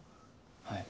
はい。